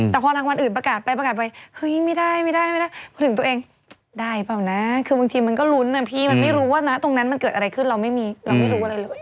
แต่พอรางวัลอื่นประกาศไปประกาศไปเฮ้ยไม่ได้ไม่ได้พูดถึงตัวเองได้เปล่านะคือบางทีมันก็ลุ้นนะพี่มันไม่รู้ว่านะตรงนั้นมันเกิดอะไรขึ้นเราไม่มีเราไม่รู้อะไรเลย